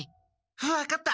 分かった！